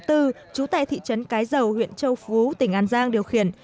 trú tại thị trấn cái dầu huyện châu phú tỉnh an giang điều khiển